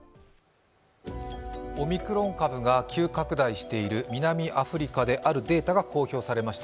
オミクロン株が急拡大している南アフリカであるデータが公表されました。